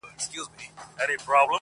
سره خپل به د عمرونو دښمنان سي،